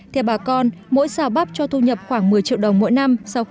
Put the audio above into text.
theo bà con mỗi xào bắp cho thu nhập khoảng một mươi triệu đồng mỗi năm